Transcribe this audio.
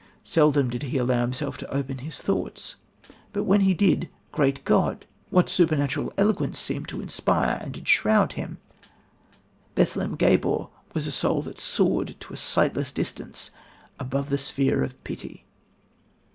Seldom did he allow himself to open his thoughts but when he did, Great God! what supernatural eloquence seemed to inspire and enshroud him... Bethlem Gabor's was a soul that soared to a sightless distance above the sphere of pity."